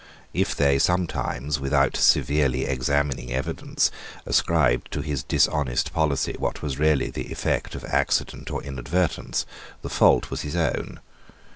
If they sometimes, without severely examining evidence, ascribed to his dishonest policy what was really the effect of accident or inadvertence, the fault was his own.